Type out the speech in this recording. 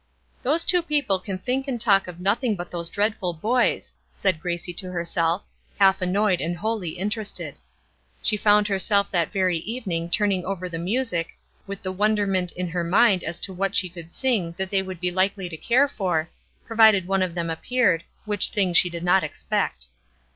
"Those two people can think and talk of nothing but those dreadful boys," said Gracie to herself, half annoyed and wholly interested. She found herself that very evening turning over the music, with the wonderment in her mind as to what she could sing that they would be likely to care for, provided one of them appeared, which thing she did not expect.